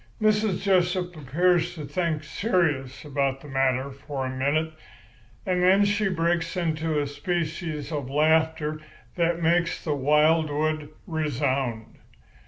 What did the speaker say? Mrs. Jessup appears to think serious about the matter for a minute, and then she breaks into a species of laughter that makes the wildwood resound.